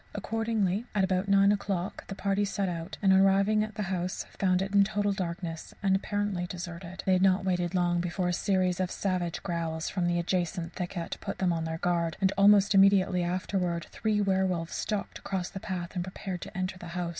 Accordingly, at about nine o'clock the party set out, and, on arriving at the house, found it in total darkness and apparently deserted. But they had not waited long before a series of savage growls from the adjacent thicket put them on their guard, and almost immediately afterwards three werwolves stalked across the path and prepared to enter the house.